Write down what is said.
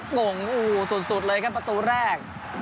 โก่งสูดเลยครับประตูแรก